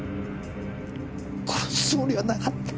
殺すつもりはなかった。